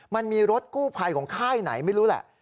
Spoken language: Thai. มันมีรถกู้ภัยของค่ายไหนไม่รู้แหละ